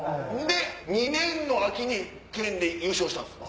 ２年の秋に県で優勝したんすよ。